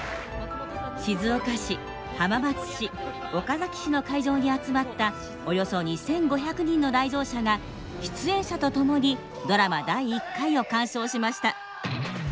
静岡市浜松市岡崎市の会場に集まったおよそ２，５００人の来場者が出演者と共にドラマ第１回を鑑賞しました。